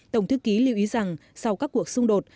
tổng thư ký lưu ý rằng sau các cuộc xung đột